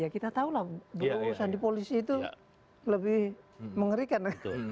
ya kita tahu lah berusaha di polisi itu lebih mengerikan